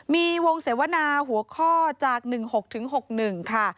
มีวงเสวนาหัวข้อจาก๑๖๖๑ค่ะ